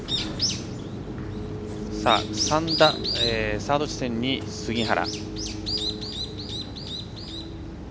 サード地点に杉原。